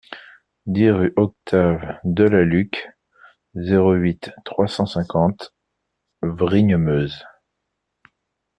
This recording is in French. dix rue Octave Delalucque, zéro huit, trois cent cinquante, Vrigne-Meuse